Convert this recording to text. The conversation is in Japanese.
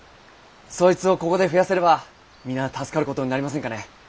そいつをここで増やせれば皆助かることになりませんかね。